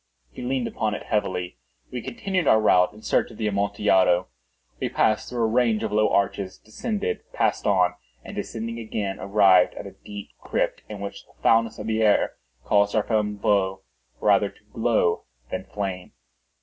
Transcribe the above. He leaned upon it heavily. We continued our route in search of the Amontillado. We passed through a range of low arches, descended, passed on, and descending again, arrived at a deep crypt, in which the foulness of the air caused our flambeaux rather to glow than flame.